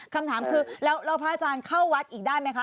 คำถามคือแล้วพระอาจารย์เข้าวัดอีกได้ไหมคะ